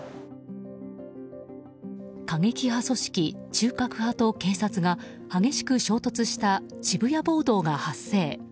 過激派組織、中核派と警察が激しく衝突した渋谷暴動が発生。